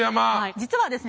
実はですね